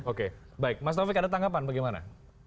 oke baik mas taufik ada tanggapan bagaimana